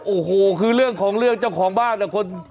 โอ้โหคือเรื่องของเรื่องเจ้าของบ้านอ่ะคน